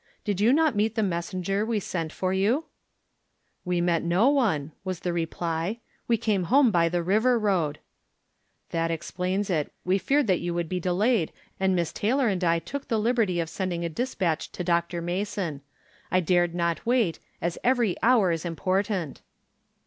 Did you not meet the messenger we sent for you ?"" We met no one," was tlie reply. " We came home by the river road." " That explains it. We feared j^ou would be delayed, and Miss Taylor and I took the liberty of sending a dispatch to Dr. Mason. I dared not wait, as every hour is important."